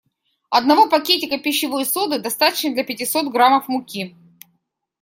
Одного пакетика пищевой соды достаточно для пятисот граммов муки.